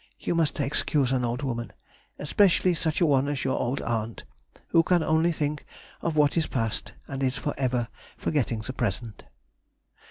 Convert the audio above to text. You must excuse an old woman, especially such a one as your old aunt, who can only think of what is past, and is for ever forgetting the present....